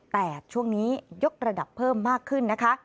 แต่ช่วงนี้ยกระดับเพิ่มมากขึ้นนะคะ